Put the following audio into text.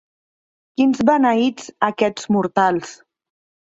Quins beneits aquests mortals.